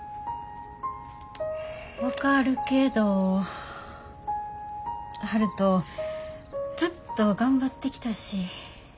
分かるけど悠人ずっと頑張ってきたし。